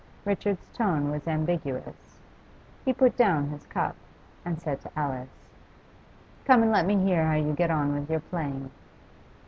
Richard's tone was ambiguous. He put down his cup, and said to Alice 'Come and let me hear how you get on with your playing.